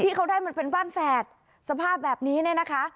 ที่เขาได้มันเป็นบ้านแฝดสภาพแบบนี้เนี่ยนะคะ